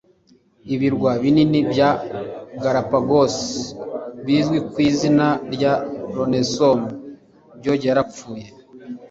ibirwa binini bya galapagos bizwi ku izina rya lonesome george yarapfuye